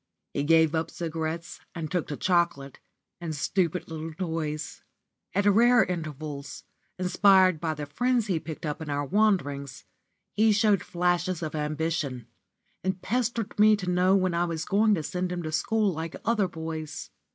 He gave up cigarettes and took to chocolate, and stupid little toys. At rare intervals, inspired by the friends he picked up in our wanderings, he showed flashes of ambition, and pestered me to know when I was going to send him to school like other boys.